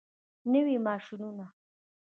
نوي ماشینونه.